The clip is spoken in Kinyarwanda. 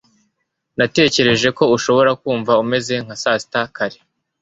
Natekereje ko ushobora kumva umeze nka sasita kare.